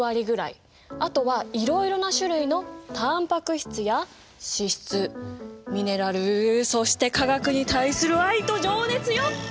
あとはいろいろな種類のたんぱく質や脂質ミネラルそして化学に対する愛と情熱よ！